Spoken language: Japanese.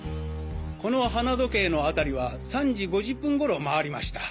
この花時計の辺りは３時５０分頃回りました。